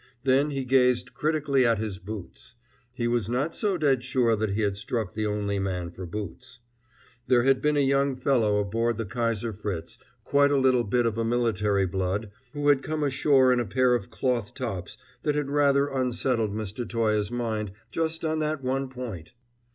Then he gazed critically at his boots. He was not so dead sure that he had struck the only man for boots. There had been a young fellow aboard the Kaiser Fritz, quite a little bit of a military blood, who had come ashore in a pair of cloth tops that had rather unsettled Mr. Toye's mind just on that one point.